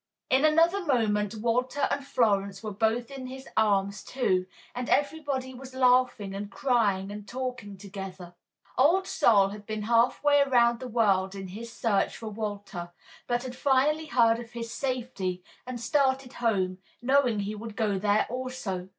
In another moment Walter and Florence were both in his arms, too, and everybody was laughing and crying and talking together. Old Sol had been half way around the world in his search for Walter, but had finally heard of his safety and started home, knowing he would go there also.